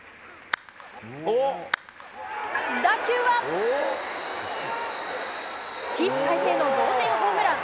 打球は起死回生の同点ホームラン。